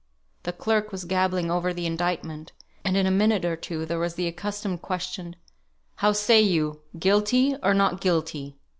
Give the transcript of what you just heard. The clerk was gabbling over the indictment, and in a minute or two there was the accustomed question, "How say you, Guilty, or Not Guilty?"